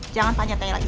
jangan tanya tanya lagi